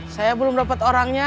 saya belum dapet orangnya